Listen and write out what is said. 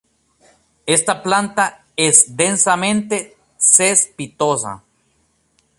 Esta planta es densamente cespitosa.